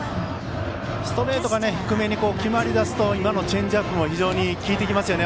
ストレートが低めに決まりだすと今のチェンジアップも非常に効いてきますよね。